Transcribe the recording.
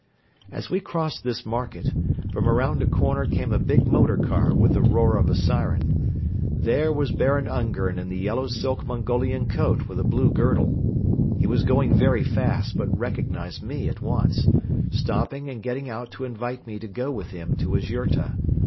As we crossed this market, from around a corner came a big motor car with the roar of a siren. There was Baron Ungern in the yellow silk Mongolian coat with a blue girdle. He was going very fast but recognized me at once, stopping and getting out to invite me to go with him to his yurta.